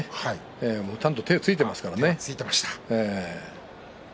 ちゃんと手をついていますからね。